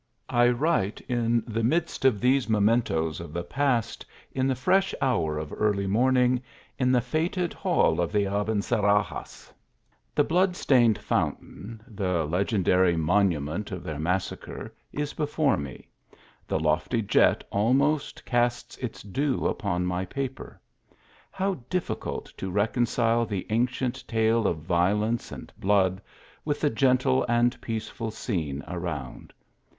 I write in the midst of these mementos of the past, in the fresh hour of early morning, in the fated hall of the Abencerrages. The blood stained foun tain, the legendary monument of their massacre, is before me ; the lofty jet almost casts its dew upon my paper. How difficult to reconcile the ancient tale of violence and blood, with the gentle and peaceful scene around.